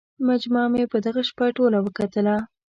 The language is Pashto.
مجموعه مې په دغه شپه ټوله وکتله.